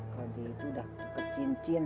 kalau dia itu udah kecincin